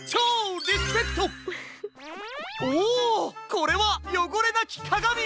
これは「よごれなきかがみ」！